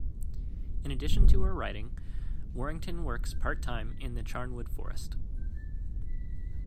In addition to her writing, Warrington works part-time in the Charnwood Forest.